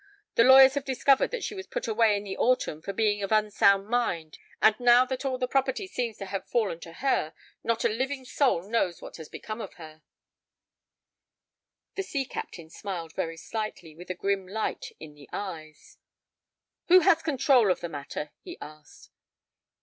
The lawyers have discovered that she was put away in the autumn for being of unsound mind; and now that all the property seems to have fallen to her, not a living soul knows what has become of the girl." The sea captain smiled very slightly, with a grim light in the eyes. "Who has the control of the matter?" he asked.